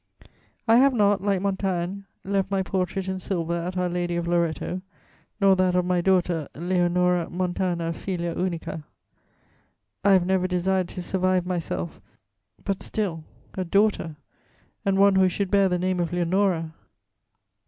"I have not, like Montaigne, left my portrait in silver at Our Lady of Loretto, nor that of my daughter, Leonora Montana, filia unica; I have never desired to survive myself; but still, a daughter, and one who should bear the name of Leonora!"